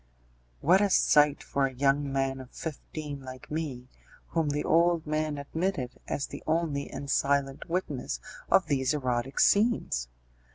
What a sight for a young man of fifteen like me, whom the old man admitted as the only and silent witness of these erotic scenes!